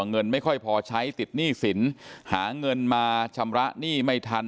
เงินไม่ค่อยพอใช้ติดหนี้สินหาเงินมาชำระหนี้ไม่ทัน